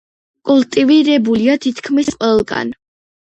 კულტივირებულია თითქმის ყველგან.